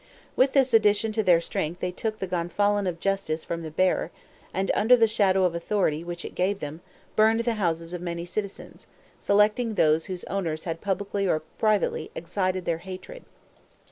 With this addition to their strength they took the Gonfalon of Justice from the bearer, and under the shadow of authority which it gave them, burned the houses of many citizens, selecting those whose owners had publicly or privately excited their hatred.